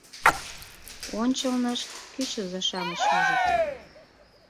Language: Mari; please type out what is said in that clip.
Ончылнышт, кӱчызӧ-шамыч ужыт